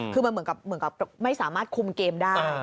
คือมันเหมือนกับไม่สามารถคุมเกมได้